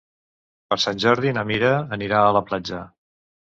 Per Sant Jordi na Mira anirà a la platja.